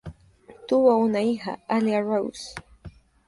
Tuvo una hija, Alia Rose.